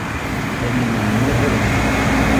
Һеҙ мине аңлайһығыҙмы?